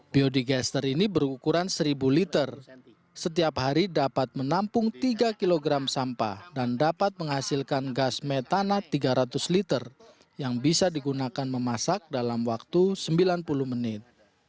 biodigester ini berukuran seribu liter setiap hari dapat menampung tiga kg sampah dan dapat menghasilkan gas metanat tiga ratus liter yang bisa digunakan memasak dalam waktu sembilan puluh menit